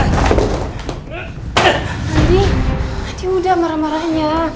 nanti udah marah marahnya